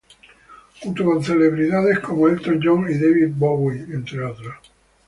Junto con celebridades como Elton John y David Bowie, entre otros.